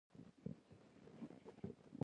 پنېر د پروټين یوه ارزانه سرچینه ده.